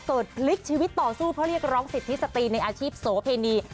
พลิกชีวิตต่อสู้เพื่อเรียกร้องสิทธิสตรีในอาชีพโสเพณี